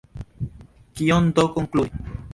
Kion do konkludi?